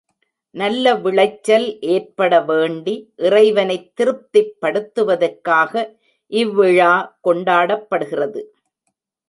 நல்ல விளைச்சல் ஏற்பட வேண்டி, இறைவனைத் திருப்திப்படுத்துவதற்காக இவ்விழா கொண்டாடப்படுகிறது.